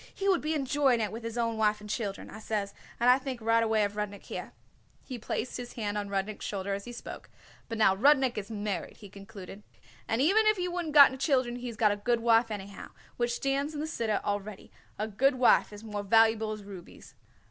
'He would be enjoying with his own wife and children,' I says, and I thinks right away of Rudnik here." He placed his hand on Rudnik's shoulder as he spoke. "But now Rudnik is married," he concluded, "and even if he wouldn't got children he's got a good wife anyhow, which it stands in the Siddur already a good wife is more valuable as rubies."